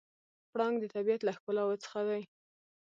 پړانګ د طبیعت له ښکلاوو څخه دی.